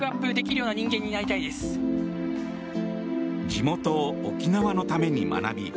地元・沖縄のために学び